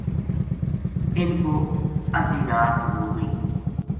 اِنھ پو اَدھی رات ہو گئی